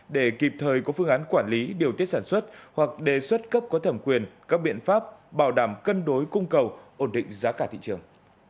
để kịp thời có phương án quản lý điều tiết sản xuất hoặc đề xuất cấp có thẩm quyền các biện pháp bảo đảm cân đối cung cầu ổn định giá cả thị trường